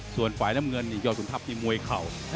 ส่วนฝ่ายน้ำเงินยอดสนทรัพย์ที่มวยเข่า